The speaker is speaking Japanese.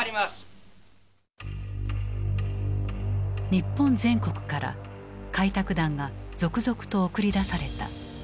日本全国から開拓団が続々と送り出された。